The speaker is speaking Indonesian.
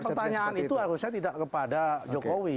ya makanya pertanyaan itu harusnya tidak kepada jokowi